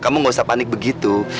kamu gak usah panik begitu